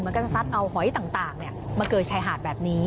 มันก็จะซัดเอาหอยต่างมาเกยชายหาดแบบนี้